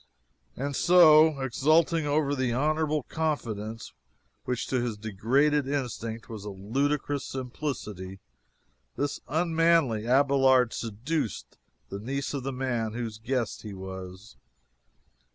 And so, exulting over an honorable confidence which to his degraded instinct was a ludicrous "simplicity," this unmanly Abelard seduced the niece of the man whose guest he was.